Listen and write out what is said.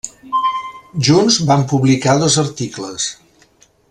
Junts van publicar dos articles.